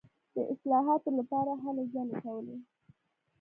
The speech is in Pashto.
د اصلاحاتو لپاره هلې ځلې کولې.